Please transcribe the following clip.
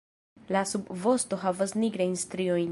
La subvosto havas nigrajn striojn.